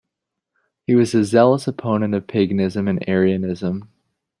He was a zealous opponent of paganism and Arianism.